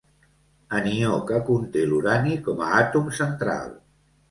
Anió que conté l'urani com a àtom central.